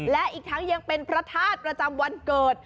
และอีกทั้งยังเป็นพระธาตุประจำวันเกิด